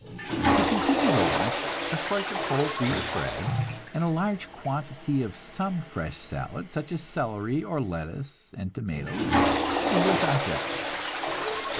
To continue the lunch, a slice of whole wheat bread, and a large quantity of some fresh salad, such as celery, or lettuce and tomatoes, without dressing.